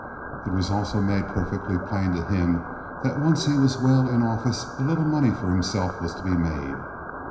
It was also made perfectly plain to him, that once he was well in office a little money for himself was to be made.